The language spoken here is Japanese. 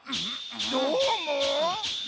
どーも？